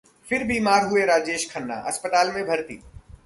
फिर बीमार हुए राजेश खन्ना, अस्पताल में भर्ती